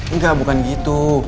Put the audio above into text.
engga bukan gitu